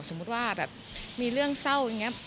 สมมุติว่าแบบมีเรื่องเศร้าอย่างนี้